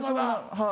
はい。